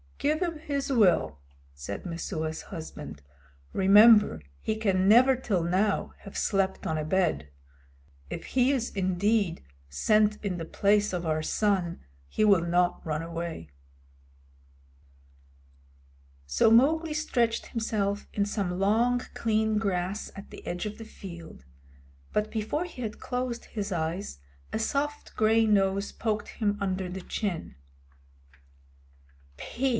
"Give him his will," said Messua's husband. "Remember he can never till now have slept on a bed. If he is indeed sent in the place of our son he will not run away." So Mowgli stretched himself in some long, clean grass at the edge of the field, but before he had closed his eyes a soft gray nose poked him under the chin. "Phew!"